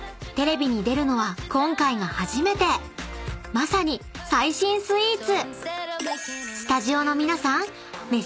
［まさに最新スイーツ！］